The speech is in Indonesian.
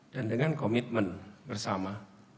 dan dengan komitmen bersama